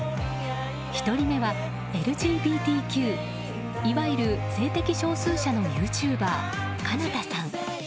１人目はＬＧＢＴＱいわゆる性的少数者のユーチューバー奏太さん。